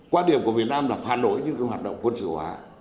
quan điểm của việt nam là phản đối những hoạt động quân sự hóa